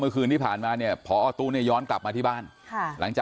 เมื่อคืนนี้ผ่านมาพอตู้ย้อนกลับมาที่บ้าน